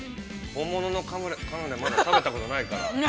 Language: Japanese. ◆本物のかむれ、カヌレ、まだ食べたことないから。